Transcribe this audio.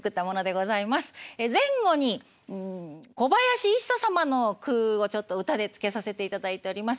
前後に小林一茶様の句をちょっと歌でつけさせていただいております。